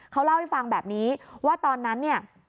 เขาเล่าให้ฟังแบบนี้ว่าตอนนั้นเนี่ย